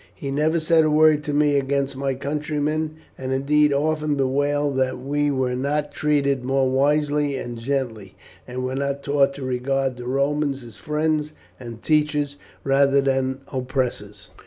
He never said a word to me against my countrymen, and indeed often bewailed that we were not treated more wisely and gently, and were not taught to regard the Romans as friends and teachers rather than oppressors."